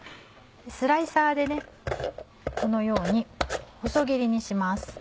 スライサーでこのように細切りにします。